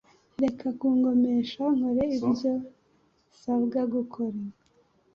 reka ku ngomesha nkore ibyo sabwa gukora